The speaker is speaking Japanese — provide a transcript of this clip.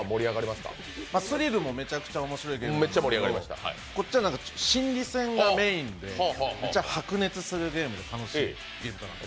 スリルもめっちゃ盛り上がるんですけどもこっちは心理戦がメインで白熱するゲームで楽しいゲームなので。